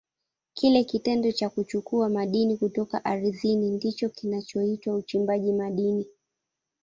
Kile kitendo cha kuchukua madini kutoka ardhini ndicho kinachoitwa uchimbaji madini.